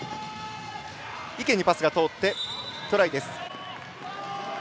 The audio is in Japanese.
池にパスが通って、トライです。